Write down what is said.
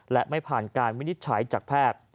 และไม่ผ่านการวินิจฉัยจากแพทย์